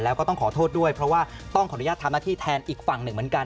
แล้วก็ต้องขอโทษด้วยเพราะว่าต้องขออนุญาตทำหน้าที่แทนอีกฝั่งหนึ่งเหมือนกัน